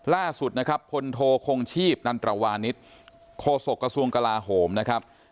ล่าสุดนะครับพลโทคงชีพนันตรวานิสโคศกระทรวงกลาโหมนะครับ